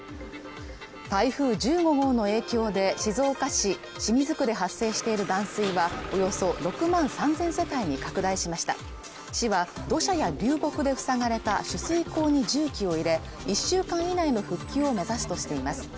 台風１５号の影響で静岡市清水区で発生している断水はおよそ６万３０００世帯に拡大しました市は土砂や流木で塞がれた取水口に重機を入れ１週間以内の復旧を目指すとしています